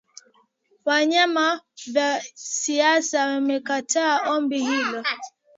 wa vyama vya siasa wamekataa ombi hilo